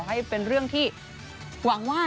ให้เป็นเรื่องที่หวังว่า